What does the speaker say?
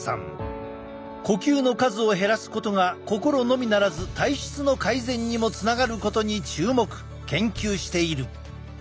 呼吸の数を減らすことが心のみならず体質の改善にもつながることに注目研究している。